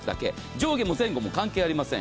上下も前後も関係ありません。